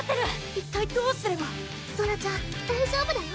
一体どうすればソラちゃん大丈夫だよ